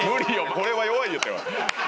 これは弱いでしょ。